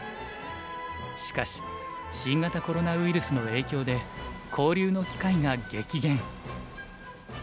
しかし新型コロナウイルスの影響で交流の機会が激減。